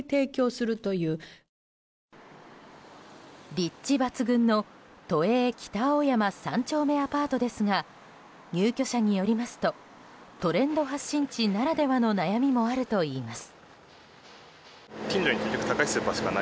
立地抜群の都営北青山三丁目アパートですが入居者によりますとトレンド発信地ならではの悩みもあるといいます。